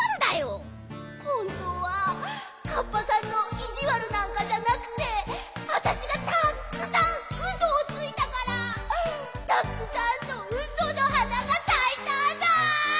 こころのこえほんとうはかっぱさんのいじわるなんかじゃなくてあたしがたっくさんウソをついたからたっくさんのウソの花がさいたんだ！